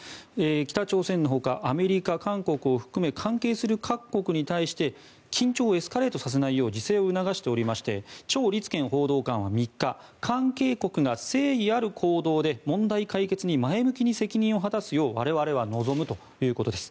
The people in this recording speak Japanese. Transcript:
北朝鮮のほかアメリカ、韓国を含め関係する各国に対して緊張をエスカレートさせないよう自制を促しておりましてチョウ・リツケン報道官は３日関係国が誠意ある行動で問題解決に前向きに責任を果たすよう我々は望むということです。